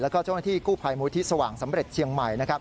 แล้วก็เจ้าหน้าที่กู้ภัยมูธิสว่างสำเร็จเชียงใหม่